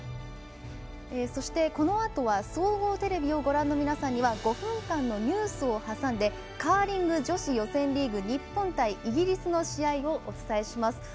そして、このあとは総合テレビをご覧の皆さんには５分間のニュースを挟んでカーリング女子予選リーグ日本対イギリスの試合をお伝えします。